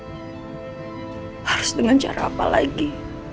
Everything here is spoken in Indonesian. harus dengan cara apa lagi